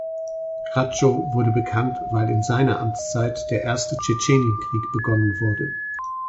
Gratschow wurde bekannt, weil in seiner Amtszeit der erste Tschetschenienkrieg begonnen wurde.